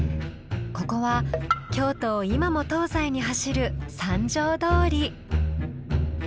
ここは京都を今も東西に走る三条通。